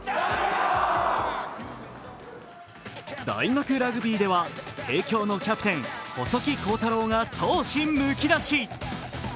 大学ラグビーでは帝京のキャプテン、細木康太郎が闘志むき出し。